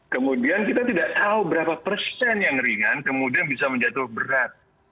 kemudian kita tidak tahu berapa persen yang ringan kemudian bisa menjatuh berat